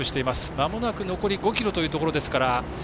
まもなく残り５ｋｍというところ。